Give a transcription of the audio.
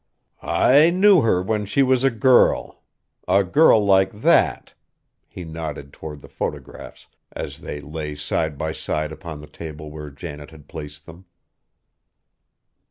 "I knew her when she was a girl. A girl like that!" He nodded toward the photographs as they lay side by side upon the table where Janet had placed them.